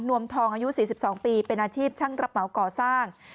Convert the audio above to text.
วมทองอายุ๔๒ปีเป็นอาชีพช่างรับเหมาก่อสร้าง